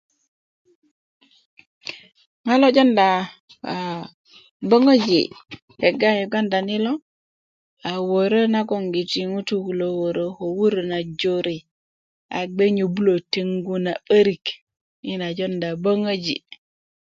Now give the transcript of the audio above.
ŋo' lo jonda aa böŋöji kegga yi yuganda ni lo aa wörö nagoŋgiti ŋutu kulo wórö ko wurö na jore a gbe nyöbulö teŋgu na 'börik yina jowunda böŋöji'